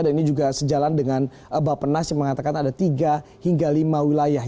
dan ini juga sejalan dengan bapak nas yang mengatakan ada tiga hingga lima wilayah